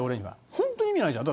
本当に意味ないじゃん。